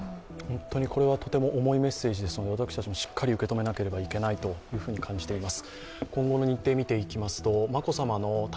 これはとても重いメッセージですので、私たちもしっかり受け止めなければいけないと思います。